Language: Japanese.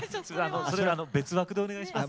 それは別枠でお願いします。